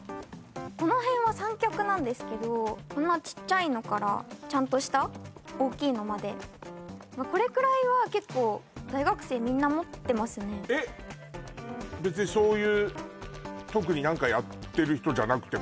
この辺は三脚なんですけどこんなちっちゃいのからちゃんとした大きいのまでまあこれくらいは結構えっ別にそういう特に何かやってる人じゃなくても？